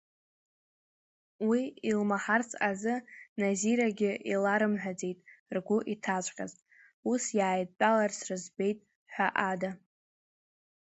Уи илмаҳарц азы Назирагьы иларымҳәаӡеит ргәы иҭаҵәҟьаз, ус иааидтәаларц рыӡбеит ҳәа ада.